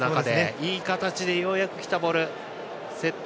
いい形でようやく来たボール競った。